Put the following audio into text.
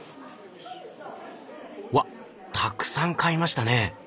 うわたくさん買いましたね。